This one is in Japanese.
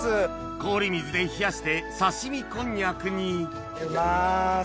氷水で冷やして刺身こんにゃくに入れます。